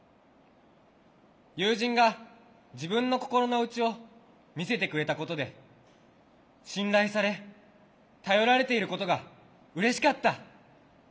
友人が自分の心の内を見せてくれたことで信頼され頼られていることがうれしかった。